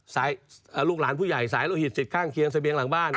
ลูกหลานผู้ใหญ่สายโลหิตสิทธิข้างเคียงเสบียงหลังบ้าน